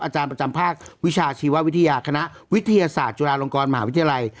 อาจารย์ประจำภาควิชาชีววิทยาคณะวิทยาศาสตร์จุฬาลงกรมหาวิทยาลัย